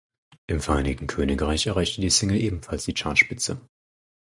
Im Vereinigten Königreich erreichte die Single ebenfalls die Chartspitze.